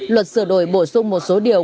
luật sửa đổi bổ sung một số điều